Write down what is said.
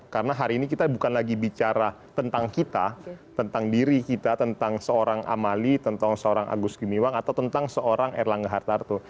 karena hari ini kita bukan lagi bicara tentang kita tentang diri kita tentang seorang amali tentang seorang agus gumiwang atau tentang seorang erlangga hartarto